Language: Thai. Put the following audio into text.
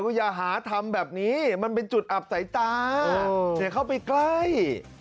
อย่าหาทำแบบนี้มันเป็นจุดอับสายตาอย่าเข้าไปใกล้